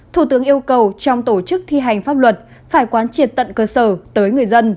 thủ tướng yêu cầu trong tổ chức thi hành pháp luật phải quán triệt tận cơ sở tới người dân